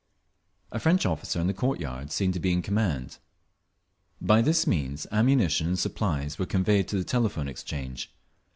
A French officer, in the court yard, seemed to be in command…. By this means ammunition and supplies were conveyed to the Telephone Exchange.